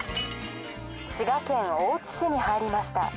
滋賀県大津市に入りました。